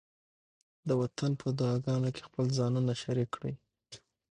د وطن په دعاګانو کې خپل ځانونه شریک کړئ.